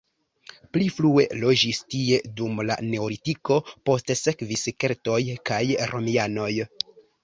Pli frue loĝis tie dum la neolitiko, poste sekvis keltoj kaj romianoj.